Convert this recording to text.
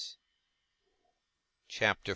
CHAPTER 42.